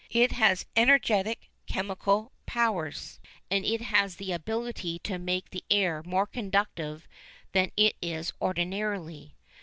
It has energetic chemical powers, and it has the ability to make the air more conductive than it is ordinarily.